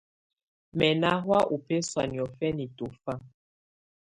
Mɛ ná hɔ̀á ú bɛsɔ̀á nɪɔ̀fɛná tɔ̀fa.